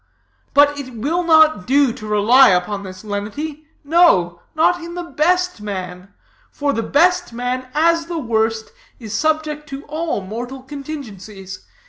But it will not do to rely upon this lenity, no, not in the best man; for the best man, as the worst, is subject to all mortal contingencies.